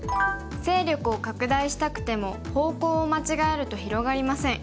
勢力を拡大したくても方向を間違えると広がりません。